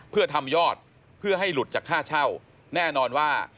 เพื่อทำยอดเพื่อให้หลุดจากค่าเช่าแน่นอนว่า